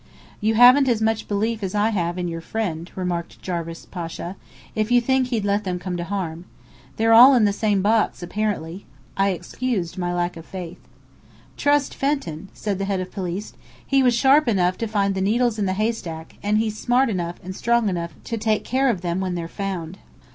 "You haven't as much belief as I have, in your friend," remarked Jarvis Pasha, "if you think he'd let them come to harm." "They're all in the same box, apparently," I excused my lack of faith. "Trust Fenton!" said the Head of the Police. "He was sharp enough to find the needles in the haystack, and he's smart enough and strong enough to take care of them when they're found."